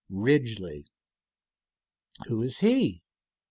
"Ridgely." "Who is he?"